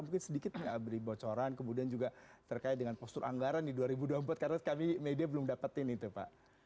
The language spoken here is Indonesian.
mungkin sedikit nggak beri bocoran kemudian juga terkait dengan postur anggaran di dua ribu dua puluh empat karena kami media belum dapetin itu pak